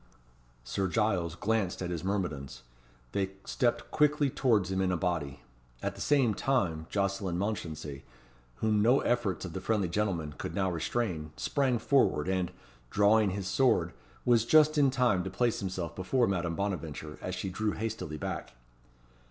Sir Giles glanced at his myrmidons. They stepped quickly towards him in a body. At the same time Jocelyn Mounchensey, whom no efforts of the friendly gentleman could now restrain, sprang forward, and, drawing his sword, was just in time to place himself before Madame Bonaventure, as she drew hastily back.